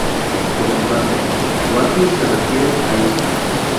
Por su parte "Huapi" se refiere a "isla".